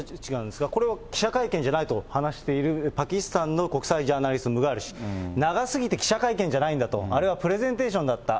これは記者会見じゃないと話してる、パキスタンの国際ジャーナリスト、ムガール氏、長すぎて記者会見じゃないんだと、あれはプレゼンテーションだった。